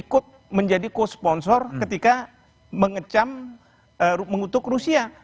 ikut menjadi co sponsor ketika mengecam mengutuk rusia